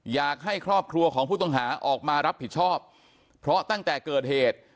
อยากให้ครอบครัวของผู้ต้องหาออกมารับผิดชอบเพราะตั้งแต่เกิดเหตุ